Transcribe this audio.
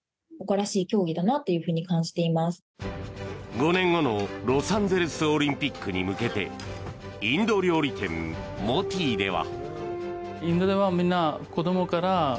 ５年後のロサンゼルスオリンピックに向けてインド料理店モティでは。